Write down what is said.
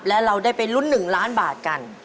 และเราได้ไปลุ้น๑ล้านบาทกัน